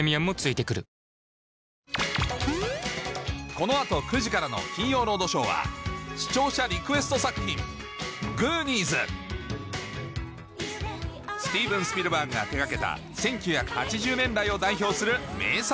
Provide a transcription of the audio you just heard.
この後９時からの『金曜ロードショー』は視聴者リクエスト作品『グーニーズ』が手掛けた１９８０年代を代表する名作